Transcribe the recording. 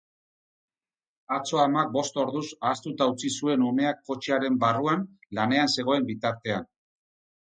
Atzo amak bost orduz ahaztuta utzi zuen umea kotxearen barruan lanean zegoen bitartean.